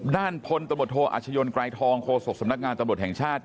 น่านพนธรรมดาโทษอัชโยนไกรทองโฆศกษำนักงานตำรวจแห่งชาติ